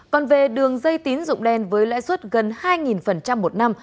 còn về đường dây tín dụng đen với lãi suất gần hai một năm